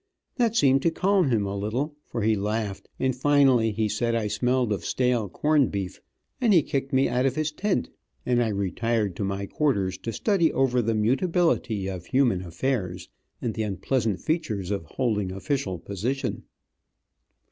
That seemed to calm him a little, for he laughed, and finally he said I smelled of stale corned beef, and he kicked me out of his tent, and I retired to my quarters to study over the mutability of human affairs, and the unpleasant features of holding official position.